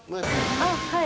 あっはい。